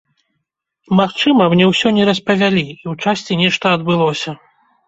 Магчыма, мне ўсё не распавялі, і ў часці нешта адбылося.